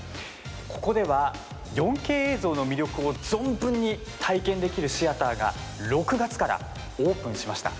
ここでは４Ｋ映像の魅力を存分に体験できるシアターが６月からオープンしました。